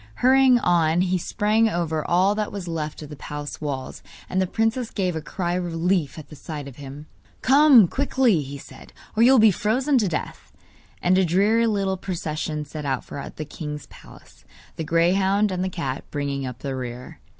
Hurrying on he sprang over all that was left of the palace walls, and the princess gave a cry of relief at the sight of him. 'Come quickly,' he said, 'or you will be frozen to death!' And a dreary little procession set out for the king's palace, the greyhound and the cat bringing up the rear.